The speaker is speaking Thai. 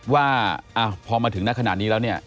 ว่าพอมาถึงนักขนาดนี้แล้วเนี่ย